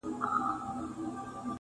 • اوس د شمعي په لمبه کي ټګي سوځي -